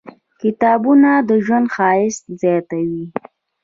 • کتابونه، د ژوند ښایست زیاتوي.